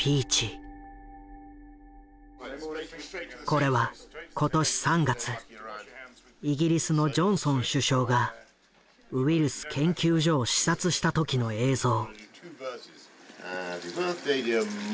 これは今年３月イギリスのジョンソン首相がウイルス研究所を視察した時の映像。